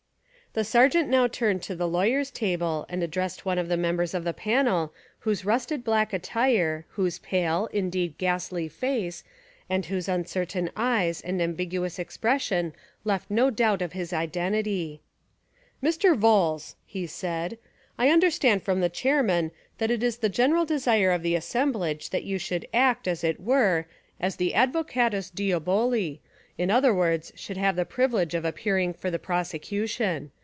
The Sergeant now turned to the lawyers' ta ble and addressed one of the members of the panel whose rusted black attire, whose pale, in deed ghastly, face and whose uncertain eyes and ambiguous expression left no doubt of his iden tity. "Mr. Vholes," he said, "I understand from the Chairman that it is the general desire of the assemblage that you should act, as it were, as the advocatiis diaboli, in other words, should have the privilege of appearing for the prose cution.